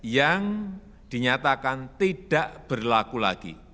yang dinyatakan tidak berlaku lagi